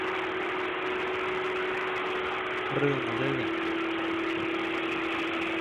เรื่องเลื่อน